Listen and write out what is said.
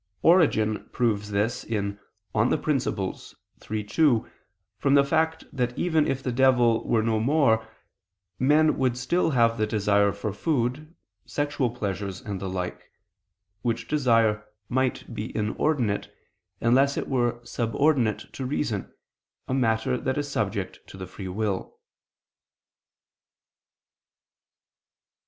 Origen proves this (Peri Archon iii, 2) from the fact that even if the devil were no more, men would still have the desire for food, sexual pleasures and the like; which desire might be inordinate, unless it were subordinate to reason, a matter that is subject to the free will.